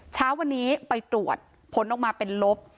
เช้าวันนี้ไปตรวจผลออกมาเป็นลบ